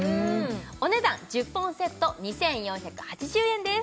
お値段１０本セット２４８０円です